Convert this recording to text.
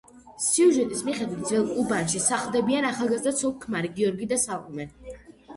სიუჟეტის მიხედვით, ძველ უბანში სახლდებიან ახალგაზრდა ცოლ-ქმარი, გიორგი და სალომე.